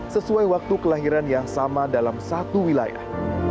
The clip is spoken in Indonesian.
sesuai waktu kelahiran yang sama dalam satu wilayah